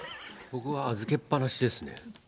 僕は預けっぱなしですね。